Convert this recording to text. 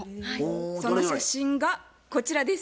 その写真がこちらです。